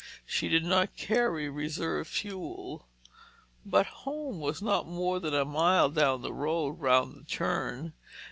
She did not carry reserve fuel, but home was not more than a mile down the road, round the turn.